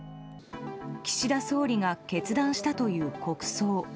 岸田総理が決断したという国葬。